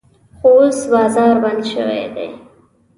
خو اوس بازار بند شوی دی.